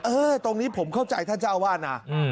ตรงนี้ผมเข้าใจท่านเจ้าวาดนะ